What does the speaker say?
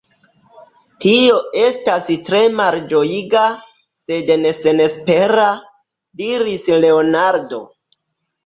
Tio estas tre malĝojiga, sed ne senespera, diris Leonardo.